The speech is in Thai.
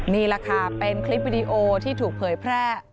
นี่แหละค่ะเป็นคลิปวิดีโอที่ถูกเผยแพร่